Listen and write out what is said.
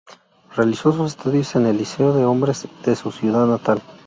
Realizó sus estudios en el Liceo de Hombres de su ciudad natal.